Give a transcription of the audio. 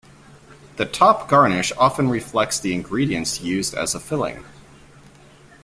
The top garnish often reflects the ingredients used as a filling.